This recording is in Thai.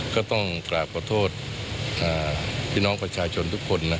ก็ต้องกราบขอโทษพี่น้องประชาชนทุกคน